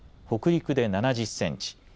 北陸で７０センチ